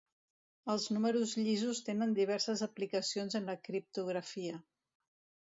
Els números llisos tenen diverses aplicacions en la criptografia.